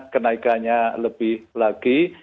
kenaikannya lebih lagi